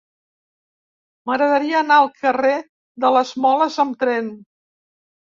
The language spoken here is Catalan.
M'agradaria anar al carrer de les Moles amb tren.